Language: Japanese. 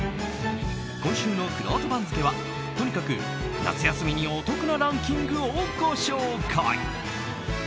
今週のくろうと番付はとにかく夏休みにお得なランキングをご紹介。